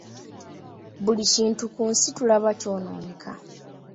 Buli kintu ku nsi tulaba ky'onooneka.